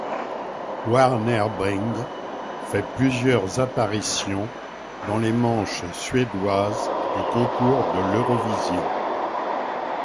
Warnerbring fait plusieurs apparitions dans les manches suédoises du concours de l'Eurovision.